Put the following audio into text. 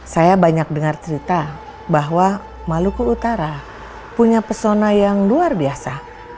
saya banyak dengar cerita bahwa maluku utara punya pesona yang luar biasa